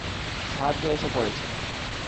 সাহায্য এসে পড়েছে!